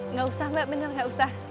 nggak usah mbak bener nggak usah